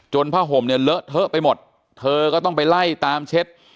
ผ้าห่มเนี่ยเลอะเทอะไปหมดเธอก็ต้องไปไล่ตามเช็ด